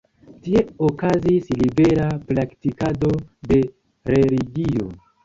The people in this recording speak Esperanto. Tie okazis libera praktikado de religio.